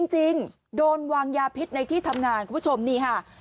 จริงโดนวางยาพิษในที่ทำงานคุณผู้ชมนี่ค่ะ